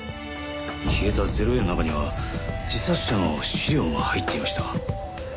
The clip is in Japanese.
消えた０−Ａの中には自殺者の資料も入っていました。